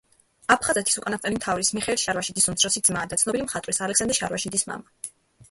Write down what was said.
აფხაზეთის უკანასკნელი მთავრის მიხეილ შარვაშიძის უმცროსი ძმა და ცნობილი მხატვრის ალექსანდრე შარვაშიძის მამა.